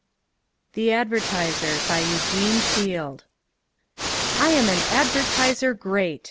] THE ADVERTISER BY EUGENE FIELD I am an advertiser great!